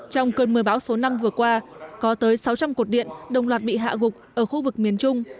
trong cơn mưa bão số năm vừa qua có tới sáu trăm linh cột điện đồng loạt bị hạ gục ở khu vực miền trung